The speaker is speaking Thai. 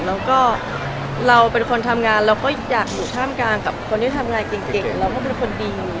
แล้วก็เราเป็นคนทำงานเราก็อยากอยู่ท่ามกลางกับคนที่ทำงานเก่งเราก็เป็นคนดี